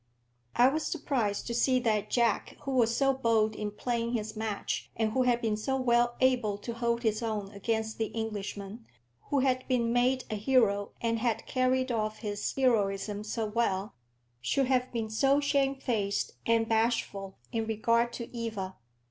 I was surprised to see that Jack, who was so bold in playing his match, and who had been so well able to hold his own against the Englishmen, who had been made a hero, and had carried off his heroism so well, should have been so shamefaced and bashful in regard to Eva.